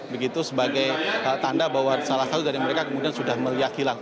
begitu sebagai tanda bahwa salah satu dari mereka kemudian sudah melihat hilang